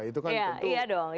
iya dong masuk akal